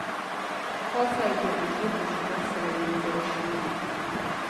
خاصه ایدیالوژي خشونت سره یو ځای شوې.